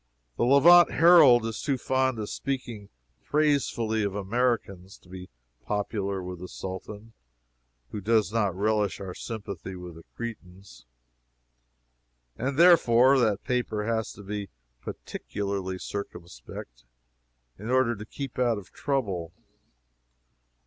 The Levant Herald is too fond of speaking praisefully of Americans to be popular with the Sultan, who does not relish our sympathy with the Cretans, and therefore that paper has to be particularly circumspect in order to keep out of trouble.